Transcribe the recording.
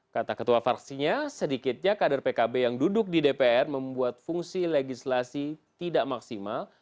kata ketua fraksinya sedikitnya kader pkb yang duduk di dpr membuat fungsi legislasi tidak maksimal